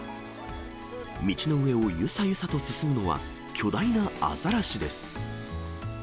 道の上をゆさゆさと進むのは、巨大なアザラシです。